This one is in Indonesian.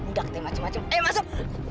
enggak kita yang macem macem